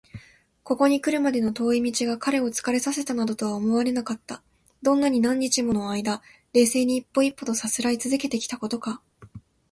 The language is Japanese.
ここにくるまでの遠い道が彼を疲れさせたなどとは思われなかった。どんなに何日ものあいだ、冷静に一歩一歩とさすらいつづけてきたことか！